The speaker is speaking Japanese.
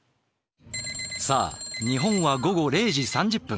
さあ日本は午後０時３０分。